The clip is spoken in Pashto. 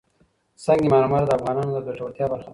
سنگ مرمر د افغانانو د ګټورتیا برخه ده.